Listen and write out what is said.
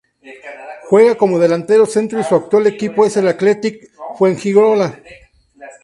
Juega como delantero centro y su actual equipo es el Athletic Fuengirola.